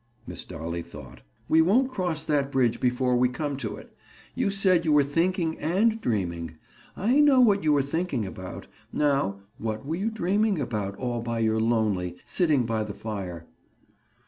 Miss Dolly thought. "We won't cross that bridge before we come to it. You said you were thinking and dreaming. I know what you were thinking about. Now, what were you dreaming about all by your lonely, sitting by the fire?"